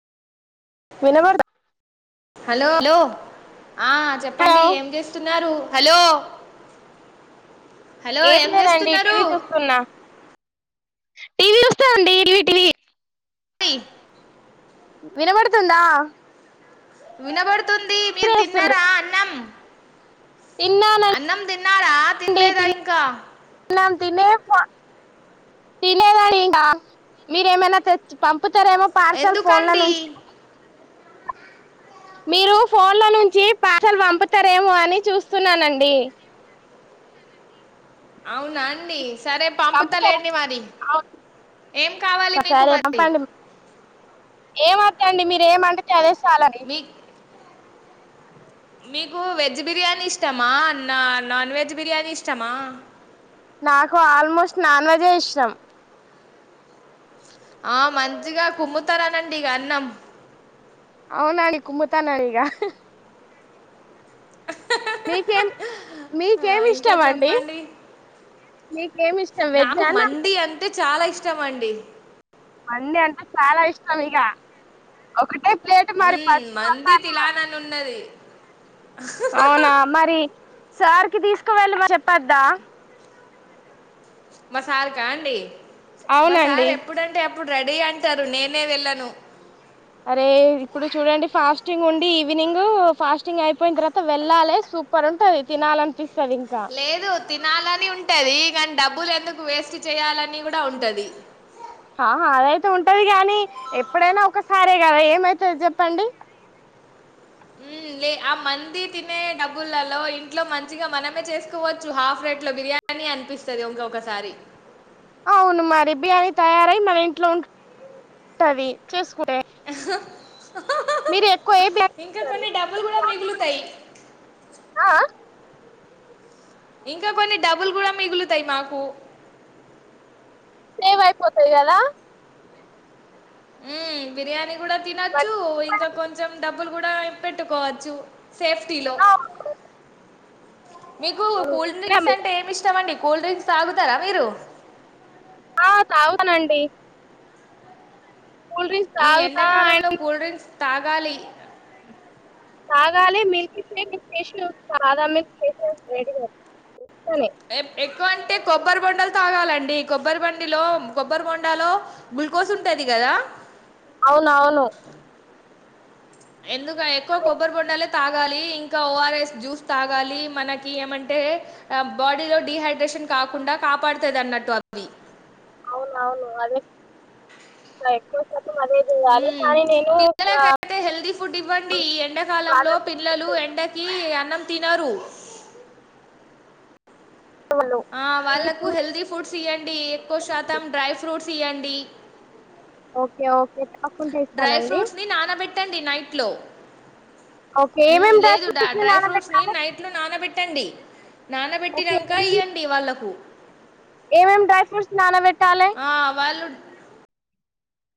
వినపడ్త hello hello ఆ చెప్పండి hello ఏం చేస్తున్నారు హలో హలో ఏం లేదండి చేస్తున్నారు టీవీ చూస్తున్నా టీవీ చూస్తా అండి టీవి టీవీ టి వినబడుతుందా వినబడు [unintelligible] స్తుండు అన్నం తిన్నారా తిన్నానండి తినలేదా ఇంకా తిన్న తినే ఫోన్ తినేదని ఇంగా మీరు ఏమైనా తెచ్ పం పంపుతారేమో పార్సల్ ఫోన్ లో ఎందుకండి నుంచి మీరు ఫోన్ లో నుంచి పార్సల్ పంపుతారేమో అని చూస్తున్నానండి అవునా అండి సరే పంపుతారా పంపుతాలేండి మరి అవును ఏం కావాలి మీకు మరి ఏం వద్దు అండి మీరు ఏం పంపుతే అదే సాలండి మీ మీకు వెజ్ బిర్యానీ ఇష్టమా నా నాన్ వెజ్ బిర్యానీ ఇష్టమా నాకు ఆల్మోస్ట్ నాన్ వెజే ఇష్టం ఆ మంచిగా కుమ్ముతారనండి ఇగ అన్నం అవునండి కుమ్ముతానండి ఇగ మీకేం మీకేం ఇంకా ఇష్టం అండి చెప్పండి మీకేం ఇష్టం వెజ్ ఆ నాన్ వెజ్ ఆ ఇచ్చామండి అన్నీ అంటే చాలా ఇష్టం ఇగ ఒకటే ప్లేట్ మరి హ్మ్. ఫస్ట్ వా మంది తర్వ తిలాననున్నది. అవునా మరి సార్కి తీసుకు వెెళ్ళి మరి చెప్పద్దా. మా సార్ కా అండి మా అవునండి సార్ ఎప్పుడంటే అప్పుడు రెడీ అంటారు నేనే వెళ్ళను. అరే ఇప్పుడు చూడండి ఫాస్టింగ్ ఉండి ఈవినింగ్ ఫాస్టింగ్ అయిపోయిన తర్వాత వెళ్ళాలే. సూపర్ ఉంటుంది తినాలని లేదు తినాలని ఉంటదికని డబ్బులు ఎందుకు వేస్ట్ చేయాలని కూడా ఉంటది. ఆహా అదైతే ఉంటది కాగానీ ఎప్పుడైనా ఒకసారే కదా ఏమైతుంది చెప్పండి. లే ఆ మంది తినే డబ్బులలో ఇంట్లో మంచిగా మనమే చేసుకోవచ్చు హాఫ్ రేట్ లో బి బిర్యానీ అనిపిస్తది ఒక్కొక్కసారి. అవును మరి బిరీయానీ తయారై మన ఇంట్లో ఉంటంది చేసుకు ఎక్కువ ఏ బిర్యానీ ఇంకా చేస్తారు కొన్ని డబ్బులు కూడా మిగులుతాయి. ఆ ఇంకా కొన్ని ఆ డబ్బులు కూడా మిగులుతాయి మాకు సేవ్ అయిపోతాయి కదా ఆ బిర్యానీ కూడా తినొచ్చు ఇంకా కొంచెం డబ్బులు కూడా పెట్టుకోవచ్చు సేఫ్టీ లో మీకు కూల్ డ్రింక్స్ అంటే ఏమి ఇష్టమ అండి కూల్ డ్రింక్స్ తాగుతారా మీరు ఆ తాగుతానండి. కూల్ డ్రింక్స్ ఈ తాగుతా ఎండాకాలంలో అండ్ కూల్ డ్రింక్స్ తాగాలి. తాగాలే మిల్క్ షేక్ చేసి సాదా మీ చేస రెడీ అ ఏ ఎక్కవ అంటే కొబ్బరి బొండలు తాగాలండి కొబ్బరి బండిలో కొబ్బరి బొండలో గ్లుకోజూ ఉంటది. కదా అవునవును ఎందుక ఎక్కువ కొబ్బరి బోండా తాగాలి ఇంకా ఓఆర్ఎస్ జ్యూస్ తాగాలి మనకి ఏమంటే బాడీలో డిహైడ్రేష న్ కాకుండా కాపాడుతదన్నట్టు అవి అవునవును అదే అదే చేయాలి ఉమ్ కానీ నేను పిల్లలకైతే హెల్తీ ఫుడ్ ఇవ్వండి. ఎండకాలంలో పిల్లలు ఎండ ప్రాధాన్యతలు కి అన్నం తినరు ఆ ఇవి వాళ్ళకు చూసి హెల్దీ ఫుడ్స్ ఇయ్యండి ఎక్కువ శాతం డ్రై ఫ్రూట్స్ ఇవ్వండి. ఓకే ఓకే తప్పకుండా డ్రై ఇస్తానండి ఫ్రూట్స్ ని నానబెట్టండి నైట్ లో ఓకే ఏమేమి డ్రై లేదు డా ఫ్రూట్స్ ని డ్రై ఫ్రూట్స్ ని నానబెట్టాలి నైట్ లో నానబెట్టి పెట్టండి నానబెట్టినాక ఇవ్వండి వాళ్ళకు ఏం ఎం డై ఫ్రూట్స్ నానా వ ఆ వాళ్ళు